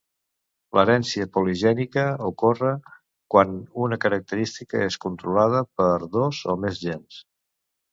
L'herència poligènica ocorre quan una característica és controlada per dos o més gens.